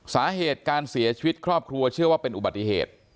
สาเหตุการเสียชีวิตครอบครัวเชื่อว่าเป็นอุบัติเหตุ